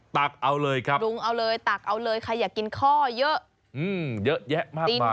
ตักเอาเลยครับปรุงเอาเลยตักเอาเลยใครอยากกินข้อเยอะเยอะแยะมากมาย